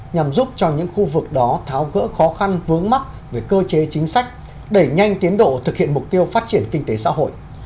nhằm giúp cho những khu vực đó tháo gỡ khó khăn vướng mắt về cơ chế chính sách đẩy nhanh tiến độ thực hiện mục tiêu phát triển kinh tế xã hội